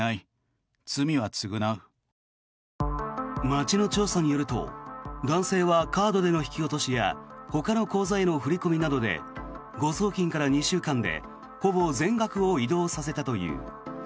町の調査によると男性はカードでの引き落としやほかの口座への振り込みなどで誤送金から２週間でほぼ全額を移動させたという。